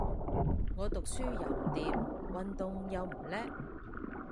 我讀書又唔掂，運動又唔叻